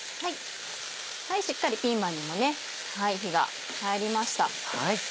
しっかりピーマンにも火が入りました。